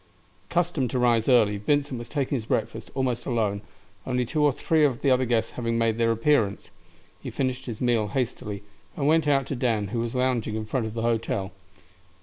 Accustomed to rise early, Vincent was taking his breakfast almost alone, only two or three of the other guests having made their appearance. He finished his meal hastily, and went out to Dan, who was lounging in front of the hotel.